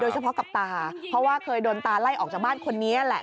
เฉพาะกับตาเพราะว่าเคยโดนตาไล่ออกจากบ้านคนนี้แหละ